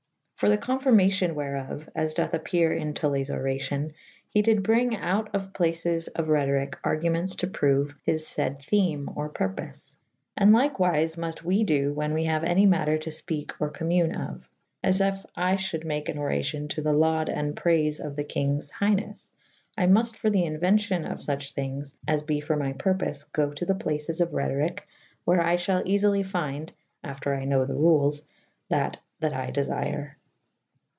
For the confirmacyon wherof (as dothe appere in Tullyes oracyon) he dyd brynge out of placis of Rhetoryke argumentes to proue his fayde theme or purpofe. And lykewyfe mufte we do when we haue any mater to fpeke or commune of. As yf 1 fhulde make an oracyon to the laude and prayfe of the kynges hyghneffe / I mufte for the Inuencyon of fuche thynges as be for my purpofe / go to places of Rhetoryke / where I fhal eaf ly fynde (after I knowe the rules) /that that I desyre.